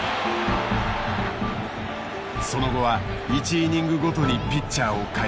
その後は１イニングごとにピッチャーを代えていく。